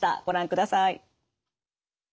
ご覧ください。